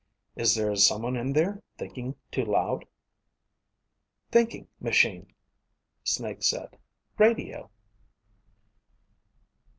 "Is there someone in there thinking too loud?" Thinking ... machine, Snake said. _Radio